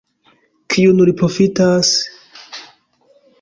Kiun li profitas?